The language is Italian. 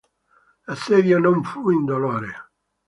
L'assedio non fu indolore.